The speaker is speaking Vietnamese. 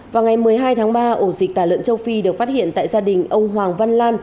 vào ngày một mươi hai tháng ba ổ dịch tả lợn châu phi được phát hiện tại gia đình ông hoàng văn lan